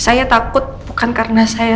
saya takut bukan karena saya